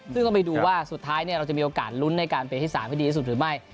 ซึ่งต้องไปดูว่าสุดท้ายเราจะมีโอกาสลุ้นในการเป็นที่๓ให้ดีที่สุดหรือไม่